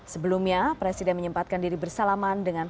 sebelumnya presiden menyempatkan diri bersalaman dengan